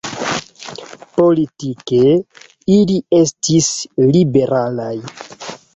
Politike, ili estis liberalaj.